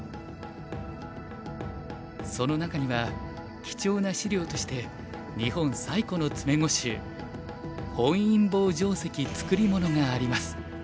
その中には貴重な資料として日本最古の詰碁集「本因坊定石作物」があります。